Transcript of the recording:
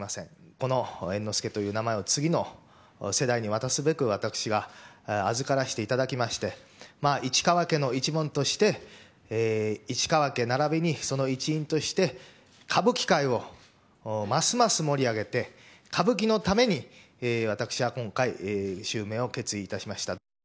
この猿之助という名前を次の世代に渡すべく私が預からせていただきまして市川家の一門として市川家並びにその一員として歌舞伎界をますます盛り上げて歌舞伎のために私は今回襲名を決意いたしました。